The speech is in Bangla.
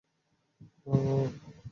তোর বাবা চোখ খুলেছে!